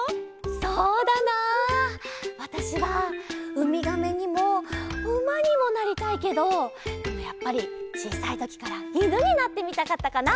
そうだなわたしはうみがめにもうまにもなりたいけどでもやっぱりちいさいときからいぬになってみたかったかな。